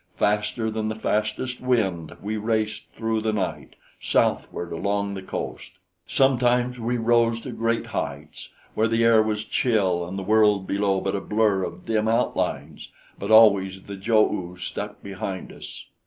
Faster than the fastest wind we raced through the night, southward along the coast. Sometimes we rose to great heights, where the air was chill and the world below but a blur of dim outlines; but always the jo oos stuck behind us.